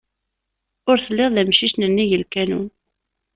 Ur telliḍ d amcic n nnig lkanun.